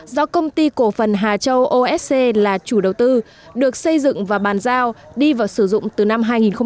do công ty cổ phần hà châu osc là chủ đầu tư được xây dựng và bàn giao đi vào sử dụng từ năm hai nghìn một mươi